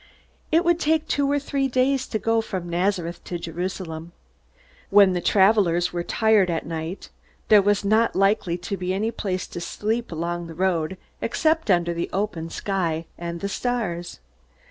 It would take two or three days to go from Nazareth to Jerusalem. When the travelers were tired at night, there was not likely to be any place to sleep along the road, except under the open sky and the stars.